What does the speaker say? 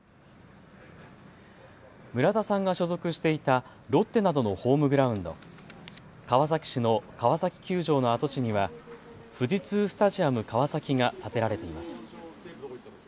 村田さんが所属していたロッテなどのホームグラウンド、川崎市の川崎球場の跡地には富士通スタジアム川崎が建てられています。